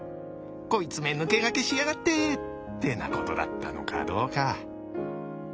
こいつめ抜け駆けしやがってってなことだったのかどうか。